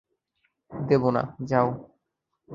দেবো না, যাও।